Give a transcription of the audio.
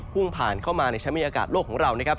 พุ่งผ่านเข้ามาในชั้นมีอากาศโลกของเรานะครับ